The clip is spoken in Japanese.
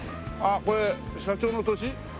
あっこれ社長の年？